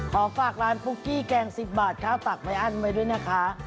ขอฝากร้านปุ๊กกี้แกง๑๐บาทข้าวตักไม่อั้นไว้ด้วยนะคะ